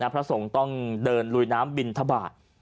พระสงฆ์ต้องเดินลุยน้ำบินทบาท